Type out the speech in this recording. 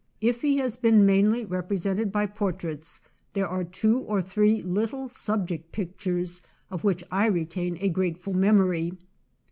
If he has been mainly represented by portraits, there are two or three little subject pictures of which I retain a grateful memory.